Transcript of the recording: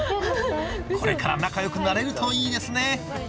これから仲良くなれるといいですね